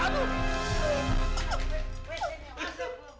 aduh aduh aduh